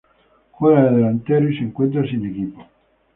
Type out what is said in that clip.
Juega de delantero y se encuentra sin equipo.